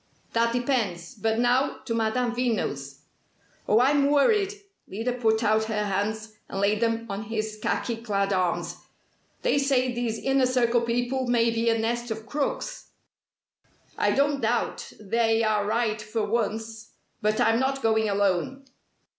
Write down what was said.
That depends! But now, to Madame Veno's." "Oh, I'm worried!" Lyda put out her hands, and laid them on his khaki clad arms. "They say these Inner Circle people may be a nest of crooks!" "I don't doubt 'they' are right for once! But I'm not going alone."